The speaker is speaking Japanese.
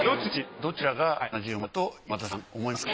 どちらが７０万円だと今田さん思いますか？